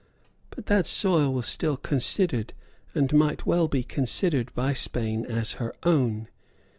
But that soil was still considered, and might well be considered, by Spain as her own.